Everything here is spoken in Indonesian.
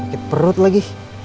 sakit perut lagi